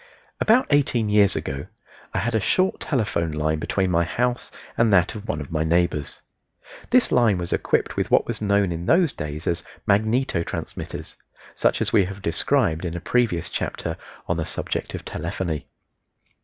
About eighteen years ago I had a short telephone line between my house and that of one of my neighbors. This line was equipped with what was known in those days as magneto transmitters, such as we have described in a previous chapter on the subject of telephony.